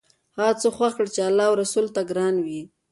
هغه څه خوښ کړه چې الله او رسول ته ګران وي.